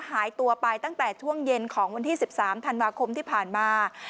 หายตัวไปตั้งแต่ช่วงเย็นของวันที่๑๓ธันวาคมที่ผ่านมา